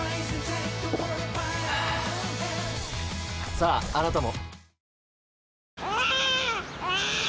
さああなたも。